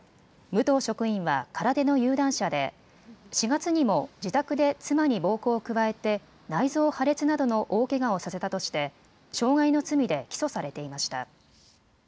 武藤職員は空手の有段者で４月にも自宅で妻に暴行を加えて内臓破裂などの大けがをさせたとして傷害の罪で起訴されていました。